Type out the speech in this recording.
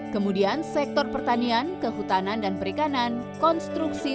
kemudian sektor pertanian kehutanan dan perikanan konstruksi